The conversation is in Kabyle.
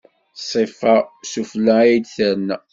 Ṣṣifa, s ufella ay d-terna.